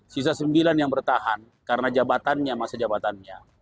sisa sembilan yang bertahan karena jabatannya masa jabatannya